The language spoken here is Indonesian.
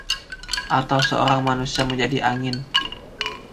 atau seorang manusia menjadi angin.